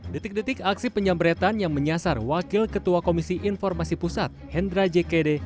detik detik aksi penyambretan yang menyasar wakil ketua komisi informasi pusat hendra jkd